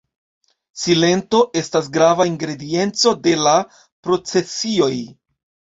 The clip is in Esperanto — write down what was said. Silento estas grava ingredienco de la procesioj.